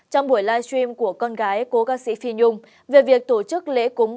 trong buổi livestream của con gái cô ca sĩ phi nhung về việc tổ chức lễ cúng bốn mươi chín ngày